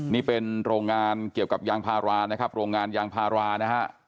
นี่เป็นโรงงานเกี่ยวกับยางพารานะครับโรงงานยางพารานะฮะ